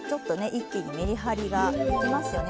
一気にめりはりができますよね。